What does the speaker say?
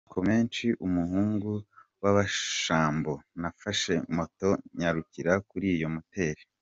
N’amatsiko menshi umuhungu w’abashambo nafashe moto nyarukira kuri iyo motel.